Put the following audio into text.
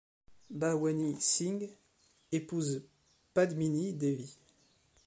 Bhawani Singh épouse Padmini Devi.